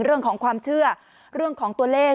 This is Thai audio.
เรื่องของความเชื่อเรื่องของตัวเลข